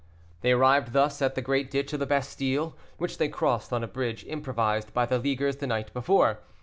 They arrived thus at the great ditch of the Bastile, which they crossed on a bridge improvised by the Leaguers the night before.